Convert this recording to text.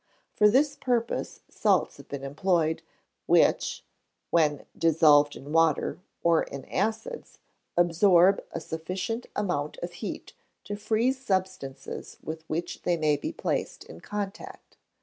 For this purpose various salts have been employed, which, when dissolved in water, or in acids, absorb a sufficient amount of heat to freeze substances with which they may be placed in contact.